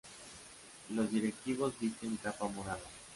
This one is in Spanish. Los directivos visten capa morada.